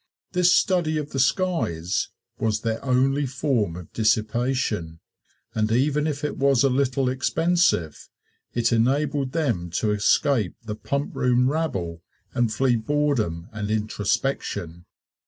This study of the skies was their only form of dissipation, and even if it was a little expensive it enabled them to escape the Pump Room rabble and flee boredom and introspection.